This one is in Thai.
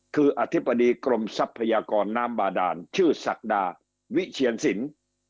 คืออธิบดีกรมทรัพยากรน้ำบาดานชื่อศักดาวิเชียนสิน